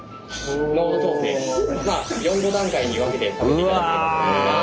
４５段階に分けて食べて頂ければと思います。